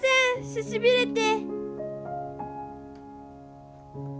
ししびれて。